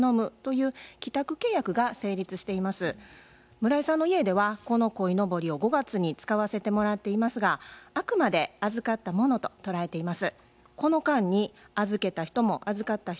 村井さんの家ではこのこいのぼりを５月に使わせてもらっていますがあくまで預かったものと捉えています。